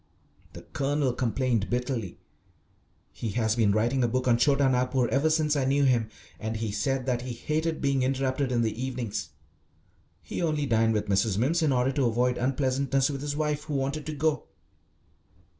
The Colonel complained bitterly. He has been writing a book on Chhota Nagpur ever since I knew him, and he said that he hated being interrupted in the evenings. He only dined with Mrs. Mimms in order to avoid unpleasantness with his wife, who wanted to go.